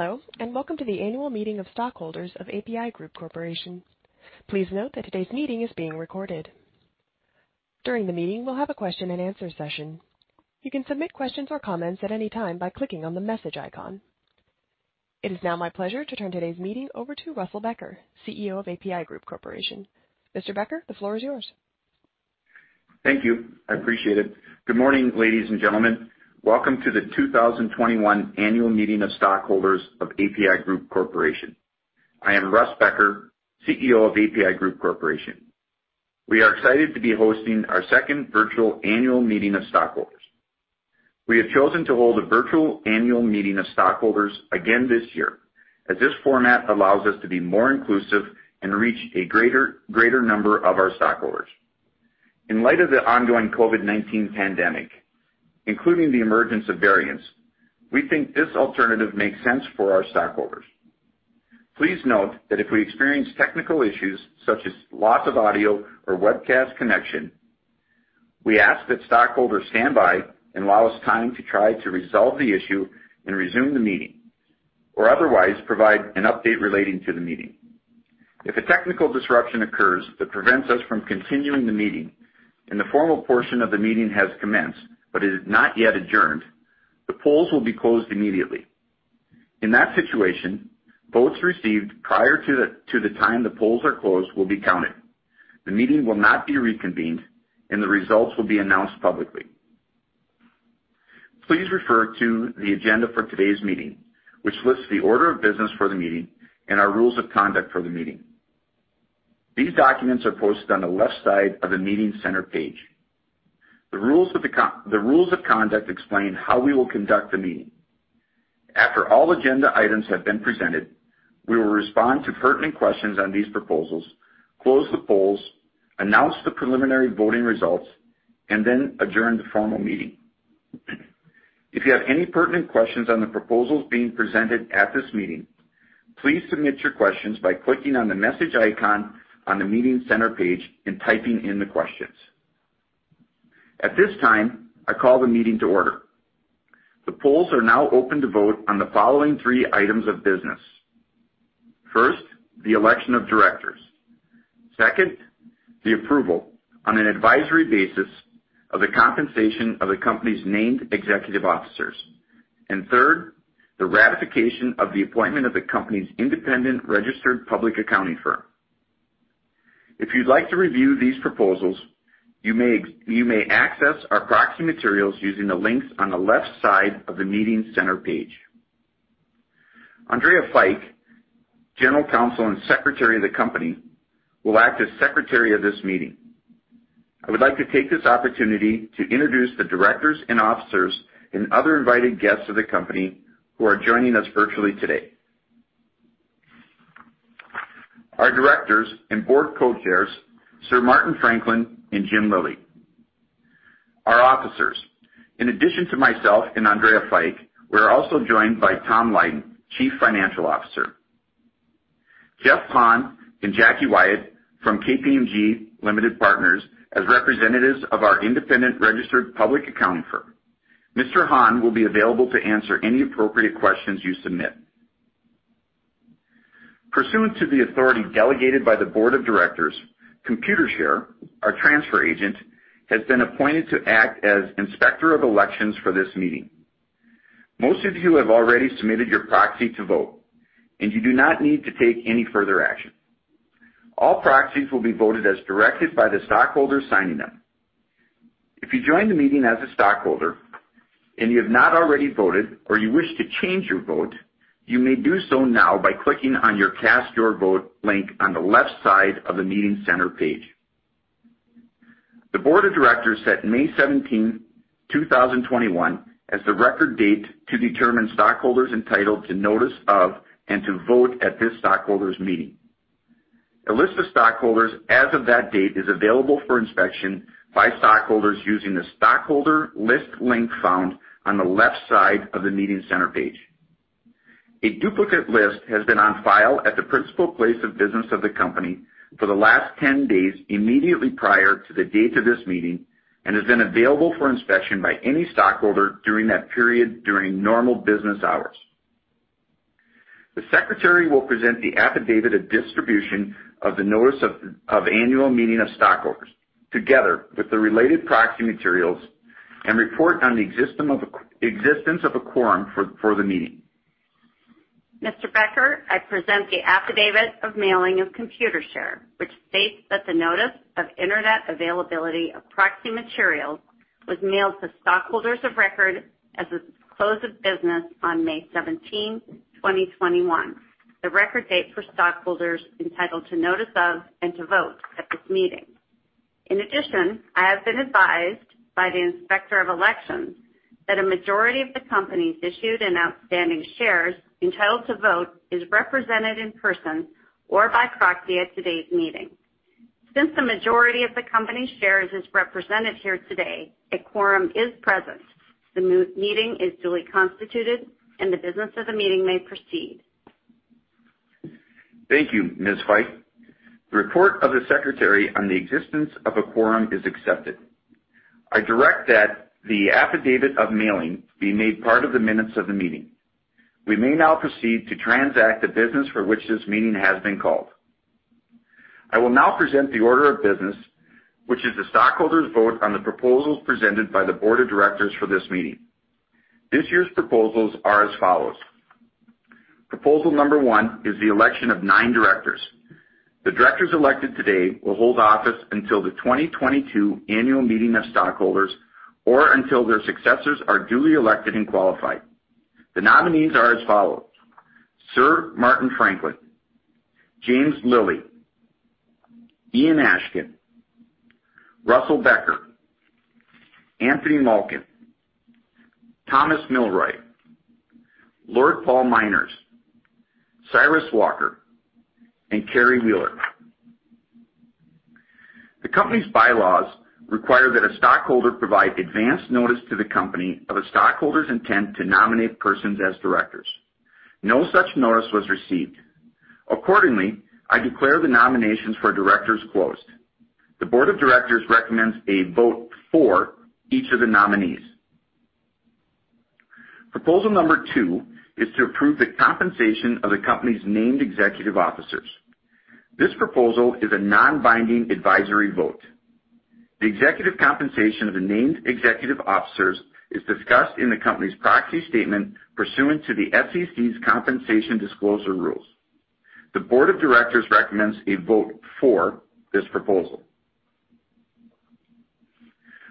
Hello, and welcome to the annual meeting of stockholders of APi Group Corporation. Please note that today's meeting is being recorded. During the meeting, we'll have a question-and-answer session. You can submit questions or comments at any time by clicking on the message icon. It is now my pleasure to turn today's meeting over to Russell Becker, CEO of APi Group Corporation. Mr. Becker, the floor is yours. Thank you. I appreciate it. Good morning, ladies and gentlemen. Welcome to the 2021 annual meeting of stockholders of APi Group Corporation. I am Russ Becker, CEO of APi Group Corporation. We are excited to be hosting our second virtual annual meeting of stockholders. We have chosen to hold a virtual annual meeting of stockholders again this year as this format allows us to be more inclusive and reach a greater number of our stockholders. In light of the ongoing COVID-19 pandemic, including the emergence of variants, we think this alternative makes sense for our stockholders. Please note that if we experience technical issues such as loss of audio or webcast connection, we ask that stockholders stand by and allow us time to try to resolve the issue and resume the meeting, or otherwise provide an update relating to the meeting. If a technical disruption occurs that prevents us from continuing the meeting and the formal portion of the meeting has commenced but is not yet adjourned, the polls will be closed immediately. In that situation, votes received prior to the time the polls are closed will be counted. The meeting will not be reconvened, and the results will be announced publicly. Please refer to the agenda for today's meeting, which lists the order of business for the meeting and our rules of conduct for the meeting. These documents are posted on the left side of the Meeting Center page. The rules of conduct explain how we will conduct the meeting. After all agenda items have been presented, we will respond to pertinent questions on these proposals, close the polls, announce the preliminary voting results, and then adjourn the formal meeting. If you have any pertinent questions on the proposals being presented at this meeting, please submit your questions by clicking on the message icon on the Meeting Center page and typing in the questions. At this time, I call the meeting to order. The polls are now open to vote on the following three items of business: first, the election of directors, second, the approval on an advisory basis of the compensation of the company's named executive officers, and third, the ratification of the appointment of the company's independent registered public accounting firm. If you'd like to review these proposals, you may access our proxy materials using the links on the left side of the Meeting Center page. Andrea Fike, General Counsel and Secretary of the Company, will act as Secretary of this meeting. I would like to take this opportunity to introduce the directors and officers and other invited guests of the company who are joining us virtually today. Our directors and board co-chairs are Sir Martin Franklin and James Lillie. Our officers, in addition to myself and Andrea Fike. We are also joined by Tom Lydon, Chief Financial Officer. Jeff Hahn and Jackie Wyatt from KPMG Limited Partners as representatives of our independent registered public accounting firm. Mr. Hahn will be available to answer any appropriate questions you submit. Pursuant to the authority delegated by the board of directors, Computershare, our transfer agent, has been appointed to act as Inspector of Elections for this meeting. Most of you have already submitted your proxy to vote, and you do not need to take any further action. All proxies will be voted as directed by the stockholder signing them. If you joined the meeting as a stockholder and you have not already voted or you wish to change your vote, you may do so now by clicking on your Cast Your Vote link on the left side of the Meeting Center page. The board of directors set May 17th, 2021, as the record date to determine stockholders entitled to notice of and to vote at this stockholders' meeting. A list of stockholders as of that date is available for inspection by stockholders using the stockholder list link found on the left side of the Meeting Center page. A duplicate list has been on file at the principal place of business of the company for the last 10 days immediately prior to the date of this meeting and has been available for inspection by any stockholder during that period during normal business hours. The Secretary will present the affidavit of distribution of the notice of annual meeting of stockholders together with the related proxy materials and report on the existence of a quorum for the meeting. Mr. Becker, I present the affidavit of mailing of Computershare, which states that the notice of internet availability of proxy materials was mailed to stockholders of record as of close of business on May 17th, 2021, the record date for stockholders entitled to notice of and to vote at this meeting. In addition, I have been advised by the Inspector of Elections that a majority of the company's issued and outstanding shares entitled to vote is represented in person or by proxy at today's meeting. Since the majority of the company's shares is represented here today, a quorum is present. The meeting is duly constituted, and the business of the meeting may proceed. Thank you, Ms. Fike. The report of the Secretary on the existence of a quorum is accepted. I direct that the affidavit of mailing be made part of the minutes of the meeting. We may now proceed to transact the business for which this meeting has been called. I will now present the order of business, which is the stockholders' vote on the proposals presented by the board of directors for this meeting. This year's proposals are as follows. Proposal number one is the election of nine directors. The directors elected today will hold office until the 2022 annual meeting of stockholders or until their successors are duly elected and qualified. The nominees are as follows: Sir Martin Franklin, James Lillie, Ian Ashken, Russell Becker, Anthony Malkin, Thomas Milroy, Lord Paul Myners, Cyrus Walker, and Carrie Wheeler. The company's bylaws require that a stockholder provide advance notice to the company of a stockholder's intent to nominate persons as directors. No such notice was received. Accordingly, I declare the nominations for directors closed. The board of directors recommends a vote for each of the nominees. Proposal number two is to approve the compensation of the company's named executive officers. This proposal is a non-binding advisory vote. The executive compensation of the named executive officers is discussed in the company's proxy statement pursuant to the SEC's compensation disclosure rules. The board of directors recommends a vote for this proposal.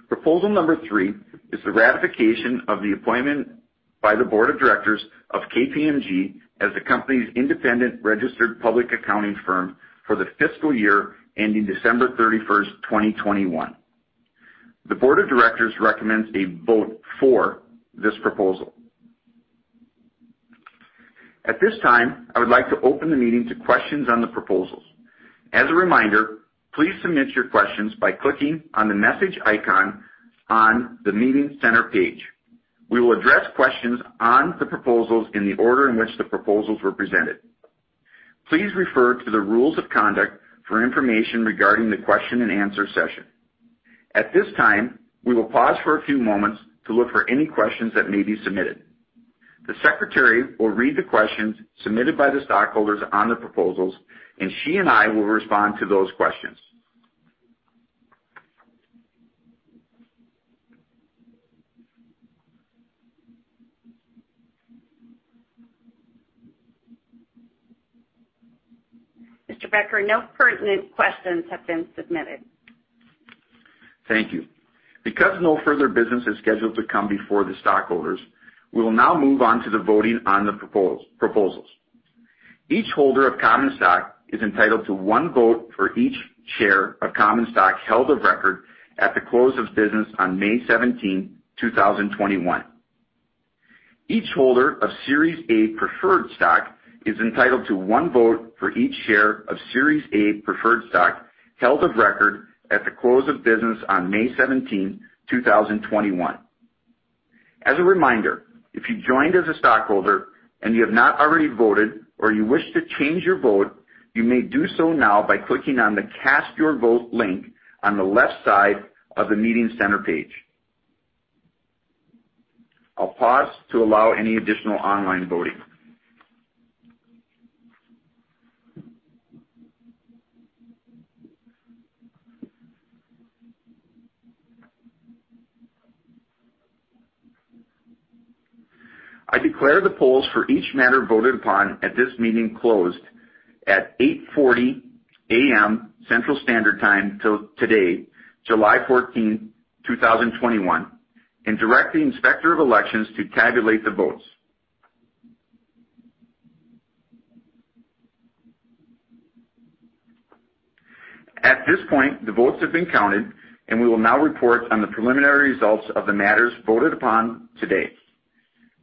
Proposal number three is the ratification of the appointment by the board of directors of KPMG as the company's independent registered public accounting firm for the fiscal year ending December 31st, 2021. The board of directors recommends a vote for this proposal. At this time, I would like to open the meeting to questions on the proposals. As a reminder, please submit your questions by clicking on the message icon on the Meeting Center page. We will address questions on the proposals in the order in which the proposals were presented. Please refer to the rules of conduct for information regarding the question-and-answer session. At this time, we will pause for a few moments to look for any questions that may be submitted. The Secretary will read the questions submitted by the stockholders on the proposals, and she and I will respond to those questions. Mr. Becker, no pertinent questions have been submitted. Thank you. Because no further business is scheduled to come before the stockholders, we will now move on to the voting on the proposals. Each holder of common stock is entitled to one vote for each share of common stock held of record at the close of business on May 17th, 2021. Each holder of Series A preferred stock is entitled to one vote for each share of Series A preferred stock held of record at the close of business on May 17th, 2021. As a reminder, if you joined as a stockholder and you have not already voted or you wish to change your vote, you may do so now by clicking on the Cast Your Vote link on the left side of the Meeting center page. I'll pause to allow any additional online voting. I declare the polls for each matter voted upon at this meeting closed at 8:40 A.M. Central Standard Time today, July 14th, 2021, and direct the Inspector of Elections to tabulate the votes. At this point, the votes have been counted, and we will now report on the preliminary results of the matters voted upon today.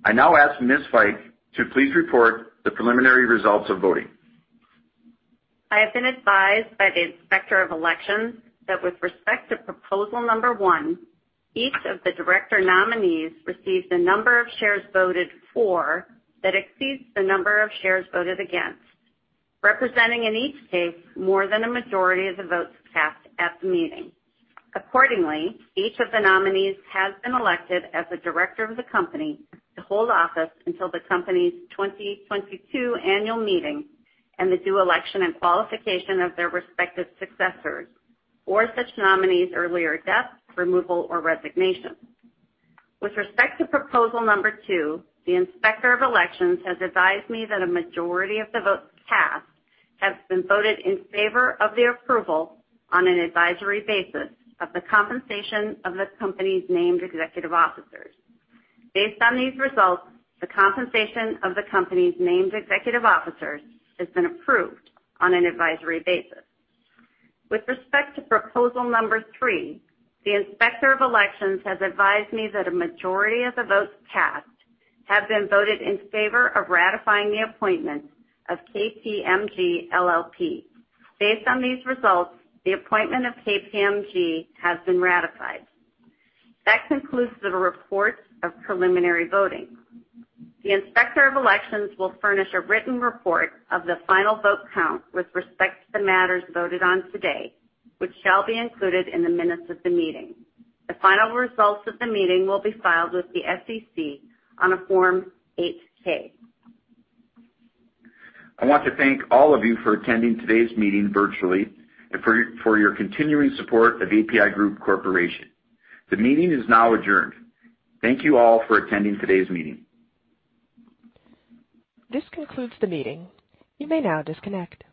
I now ask Ms. Fike to please report the preliminary results of voting. I have been advised by the Inspector of Elections that with respect to proposal number one, each of the director nominees received the number of shares voted for that exceeds the number of shares voted against, representing in each case more than a majority of the votes cast at the meeting. Accordingly, each of the nominees has been elected as the director of the company to hold office until the company's 2022 annual meeting and the due election and qualification of their respective successors or such nominees' earlier death, removal, or resignation. With respect to proposal number two, the Inspector of Elections has advised me that a majority of the votes cast have been voted in favor of the approval on an advisory basis of the compensation of the company's named executive officers. Based on these results, the compensation of the company's named executive officers has been approved on an advisory basis. With respect to proposal number three, the Inspector of Elections has advised me that a majority of the votes cast have been voted in favor of ratifying the appointment of KPMG LLP. Based on these results, the appointment of KPMG has been ratified. That concludes the report of preliminary voting. The Inspector of Elections will furnish a written report of the final vote count with respect to the matters voted on today, which shall be included in the minutes of the meeting. The final results of the meeting will be filed with the SEC on a Form 8-K. I want to thank all of you for attending today's meeting virtually and for your continuing support of APi Group Corporation. The meeting is now adjourned. Thank you all for attending today's meeting. This concludes the meeting. You may now disconnect.